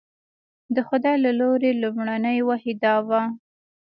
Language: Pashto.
د خدای له لوري لومړنۍ وحي دا وه.